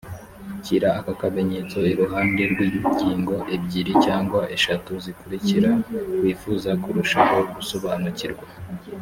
shyira aka kamenyetso iruhande rw’ingingo ebyiri cyangwa eshatu zikurikira wifuza kurushaho gusobanukirwa